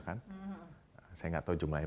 kan saya nggak tahu jumlahnya